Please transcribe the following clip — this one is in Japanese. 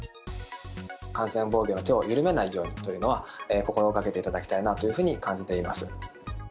感染防御の手を緩めないようにというのは、心がけていただきたいなというふうに感じています。